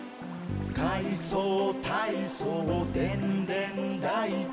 「かいそうたいそうでんでんだいこ」